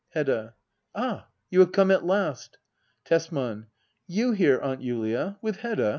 Hedda. Ah, you have come at last ! Tesman. You here. Aunt Julia } With Hedda